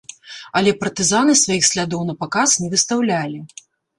Але партызаны сваіх слядоў напаказ не выстаўлялі.